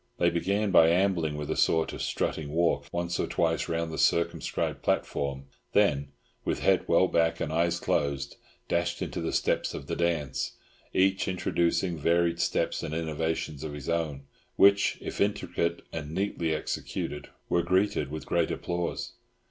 They began by ambling with a sort of strutting walk once or twice round the circumscribed platform; then, with head well back and eyes closed, dashed into the steps of the dance, each introducing varied steps and innovations of his own, which, if intricate and neatly executed, were greeted with great applause.